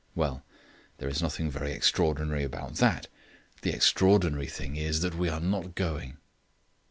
Well, there is nothing very extraordinary about that. The extraordinary thing is that we are not going."